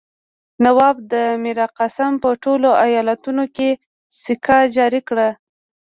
نواب میرقاسم په ټولو ایالتونو کې سکه جاري کړه.